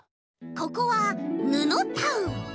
ここはぬのタウン。